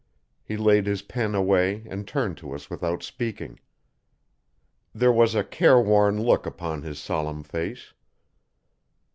He laid his pen away and turned to us without speaking. There was a careworn look upon his solemn face.